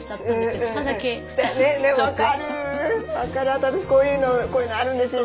あと私こういうのこういうのあるんですよ